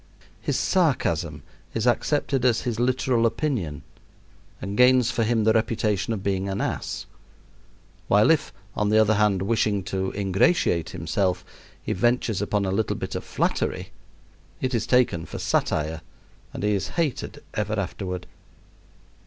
His sarcasm is accepted as his literal opinion and gains for him the reputation of being an ass, while if, on the other hand, wishing to ingratiate himself, he ventures upon a little bit of flattery, it is taken for satire and he is hated ever afterward.